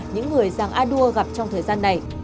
những người giàng a đua gặp trong thời gian này